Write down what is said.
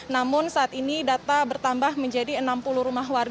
namun saat ini data bertambah menjadi enam puluh rumah